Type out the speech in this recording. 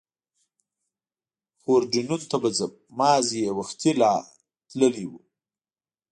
پورډېنون ته به ځم، مازې یې وختي لا تللي و.